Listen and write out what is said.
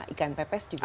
ikan pepes juga oke